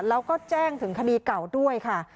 แล้วก็แจ้งถึงคดีเก่าด้วยค่ะ